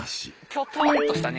きょとんとしたね